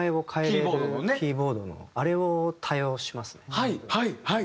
はいはいはい。